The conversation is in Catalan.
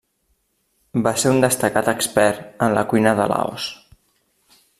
Va ser un destacat expert en la cuina de Laos.